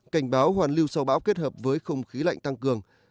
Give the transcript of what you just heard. cảnh báo hoàn lưu sau bão kết hợp với không khí lạnh tăng cường